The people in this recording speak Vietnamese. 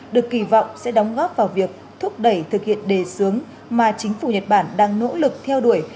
được kỳ vọng sẽ đóng góp vào việc thúc đẩy thực hiện đề sướng mà chính phủ nhật bản đang nỗ lực theo đuổi